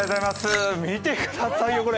見てくださいよ、これ！